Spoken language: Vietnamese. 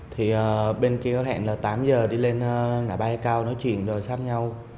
thì bên kia hẹn là tám h đi lên ngã bay cao nói chuyện rồi sắp nhau